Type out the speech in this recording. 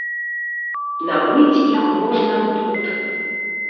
Набыць іх можна тут.